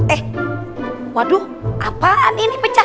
eh waduh apaan ini pecah